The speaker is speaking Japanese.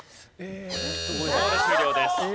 ここで終了です。